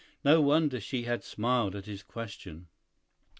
No wonder she had smiled at his question.